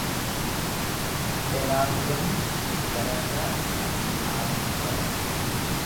Eraafelonni gararraa isaa in dhaabatu turan.